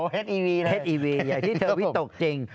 หรือที่เธอวิตกจริง